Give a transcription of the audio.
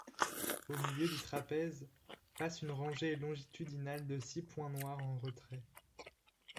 Au milieu du trapèze, passe une rangée longitudinale de six points noirs en retrait.